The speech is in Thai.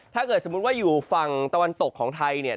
ถ้าเกิดสมมุติว่าอยู่ฝั่งตะวันตกของไทยเนี่ย